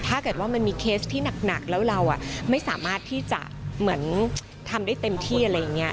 ถ้าเกิดว่ามันมีเคสที่หนักแล้วเราไม่สามารถที่จะเหมือนทำได้เต็มที่อะไรอย่างนี้